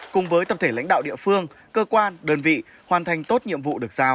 cùng với tập thể lãnh đạo địa phương cơ quan đơn vị hoàn thành tốt nhiệm vụ được giao